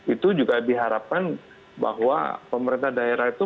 itu juga diharapkan bahwa pemerintah daerah itu